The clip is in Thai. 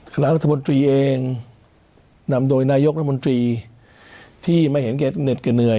คณะรัฐมนตรีเองนำโดยนายกรัฐมนตรีที่ไม่เห็นแก่เหน็ดแก่เหนื่อย